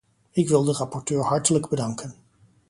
Ik wil de rapporteur hartelijk bedanken.